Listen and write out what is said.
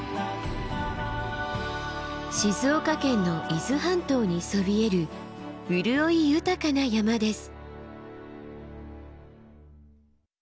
静岡県の伊豆半島にそびえる潤い豊かな山です。